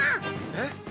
えっ？